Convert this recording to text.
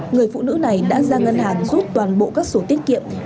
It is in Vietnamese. người phụ nữ này đã ra ngân hàng rút toàn bộ các sổ tiết kiệm